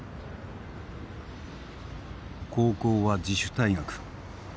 高校は自主退学。